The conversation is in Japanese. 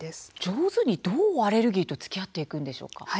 上手にどうアレルギーとつきあっていくんでしょうか。